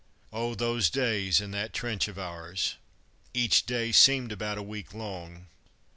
Oh, those days in that trench of ours! Each day seemed about a week long.